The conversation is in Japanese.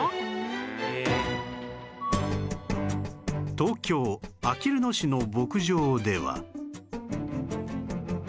東京あきる野市の牧場では